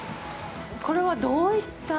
これは、どういった？